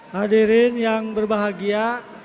hadirin yang berbahagia